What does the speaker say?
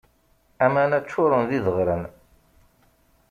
Aman-a ččuren d ideɣren.